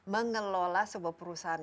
bagaimana mengelola sebuah perusahaan ini